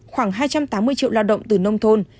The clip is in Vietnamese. khoảng hai trăm tám mươi triệu lao động từ nông thôn